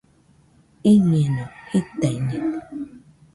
Iñeno.jitaiñede